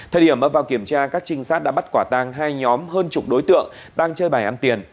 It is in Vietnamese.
thời điểm bất vào kiểm tra các trinh sát đã bắt quả tang hai nhóm hơn chục đối tượng đang chơi bài ăn tiền